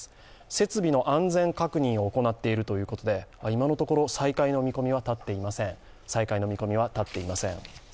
設備の安全確認を行っているということで、今のところ、再開の見込みはたっていません。